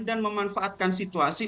dan memanfaatkan situasi